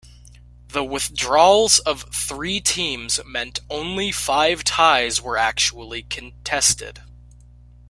The withdrawals of three teams meant only five ties were actually contested.